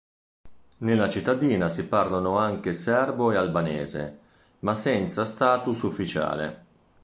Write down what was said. Nella cittadina si parlano anche serbo e albanese, ma senza status ufficiale.